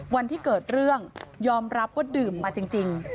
วันที่เกิดเรื่องยอมรับว่าดื่มมาจริง